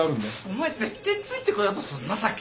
お前絶対ついてこようとすんなさっきからな。